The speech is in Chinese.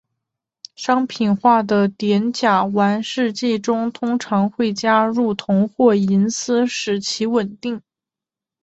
商品化的碘甲烷试剂中通常会加入铜或银丝使其稳定。